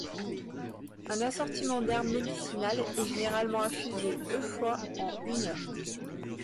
Un assortiment d'herbes médicinales est généralement infusé deux fois en une heure.